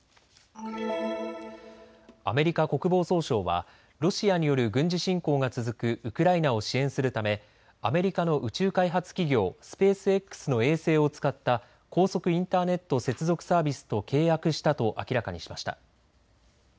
アメリカ国防総省はロシアによる軍事侵攻が続くウクライナを支援するため、アメリカの宇宙開発企業スペースＸの衛星を使った高速インターネット接続サービスと契約したと明らかにしました。